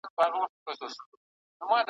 بیا به شرنګ وي د بنګړیو پر ګودر د شنو منګیو ,